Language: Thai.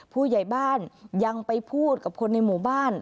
ผู้ใหญ่บ้านยังไปพูดกับคนในหมู่บ้าน